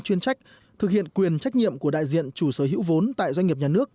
chuyên trách thực hiện quyền trách nhiệm của đại diện chủ sở hữu vốn tại doanh nghiệp nhà nước